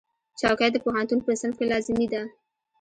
چوکۍ د پوهنتون په صنف کې لازمي ده.